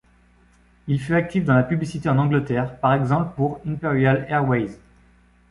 Il fut actif dans la publicité en Angleterre, par exemple pour Imperial Airways.